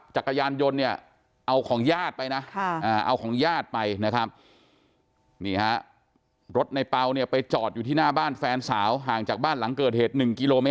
จักรยานยนต์เนี่ยเอาของญาติไปนะเอาของญาติไปนะครับ